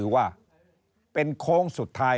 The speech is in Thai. ว่าเป็นโค้งสุดท้าย